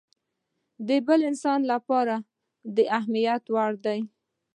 د بل انسان لپاره د اهميت وړ دی.